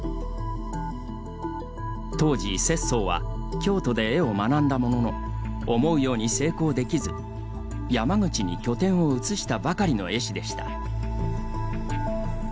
当時拙宗は京都で絵を学んだものの思うように成功できず山口に拠点を移したばかりの絵師でした。